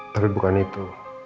tapi bukan itu